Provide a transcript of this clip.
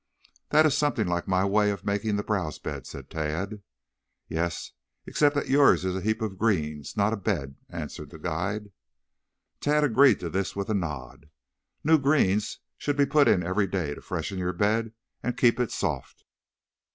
"That is something like my way of making the browse bed," said Tad. "Yes, except that yours is a heap of greens, not a bed," answered the guide. Tad agreed to this with a nod. "New greens should be put in every day to freshen your bed and keep it soft."